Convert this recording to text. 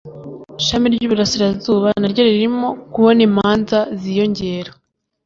ishami ry'iburasirazuba naryo ririmo kubona imanza ziyongera